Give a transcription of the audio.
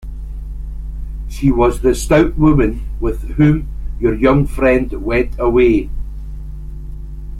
She was the stout woman with whom your young friend went away?